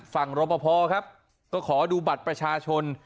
ฝั่งรบภก็ขอดูบัตรประชาชน